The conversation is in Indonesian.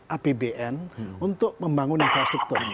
apbn untuk membangun infrastruktur